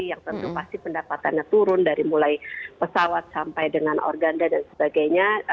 yang tentu pasti pendapatannya turun dari mulai pesawat sampai dengan organda dan sebagainya